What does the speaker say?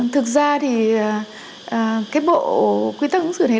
thực ra thì cái bộ quy tắc ứng xử này